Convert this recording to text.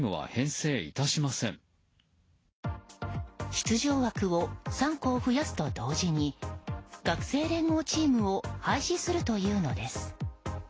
出場枠を３校増やすと同時に学生連合チームを廃止するというのです。